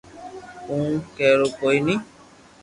ڪوڻ ڪيرو ڪوئي ھي